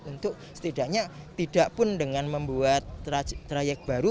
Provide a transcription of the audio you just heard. untuk setidaknya tidak pun dengan membuat trayek baru